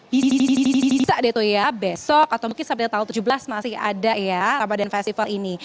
bisa deh tuh ya besok atau mungkin sampai tanggal tujuh belas masih ada ya ramadan festival ini